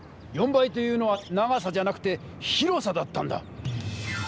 ４倍というのは長さじゃなくて広さだったんだ！